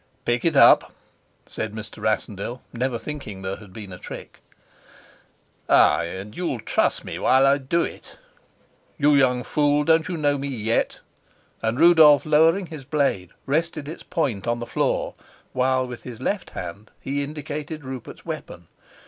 "Pick it up," said Mr. Rassendyll, never thinking there had been a trick. "Ay, and you'll truss me while I do it." "You young fool, don't you know me yet?" and Rudolf, lowering his blade, rested its point on the floor, while with his left hand he indicated Rupert's weapon.